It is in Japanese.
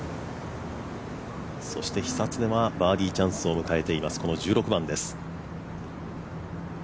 そして、久常はバーディーチャンスを迎えています、１６番です。